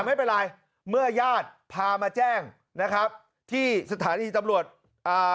ไม่เป็นไรเมื่อญาติพามาแจ้งนะครับที่สถานีตำรวจอ่า